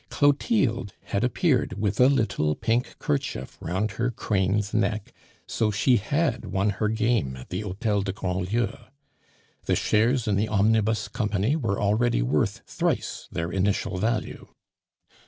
Clotilde had appeared with a little pink kerchief round her crane's neck, so she had won her game at the Hotel de Grandlieu. The shares in the Omnibus Company were already worth thrice their initial value.